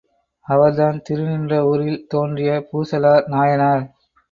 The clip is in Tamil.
அவர்தான் திருநின்ற ஊரில் தோன்றிய பூசலார் நாயனார்.